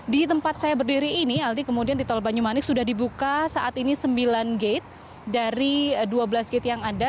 di tempat saya berdiri ini aldi kemudian di tol banyumanik sudah dibuka saat ini sembilan gate dari dua belas gate yang ada